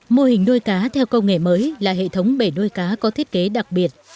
mô hình nuôi cá theo công nghệ mới là hệ thống bể nuôi cá có thiết kế đặc biệt